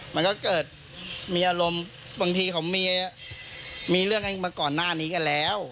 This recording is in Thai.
มันก็เกิดมีอารมณ์บางทีเขามีเรื่องกันมาก่อนหน้านี้กันแล้ว